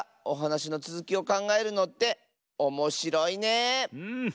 おはなしのつづきをかんがえるのっておもしろいね。